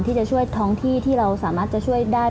ที่จะช่วยท้องที่ที่เราสามารถจะช่วยได้